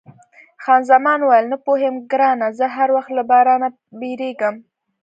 خان زمان وویل، نه پوهېږم ګرانه، زه هر وخت له بارانه بیریږم.